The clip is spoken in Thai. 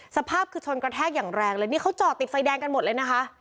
สภาพคือชนกระแทกอย่างแรงเลยนี่เขาจอดติดไฟแดงกันหมดเลยนะคะ